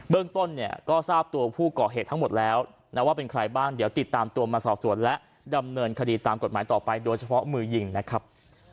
ต้นเนี่ยก็ทราบตัวผู้ก่อเหตุทั้งหมดแล้วนะว่าเป็นใครบ้างเดี๋ยวติดตามตัวมาสอบสวนและดำเนินคดีตามกฎหมายต่อไปโดยเฉพาะมือยิงนะครับ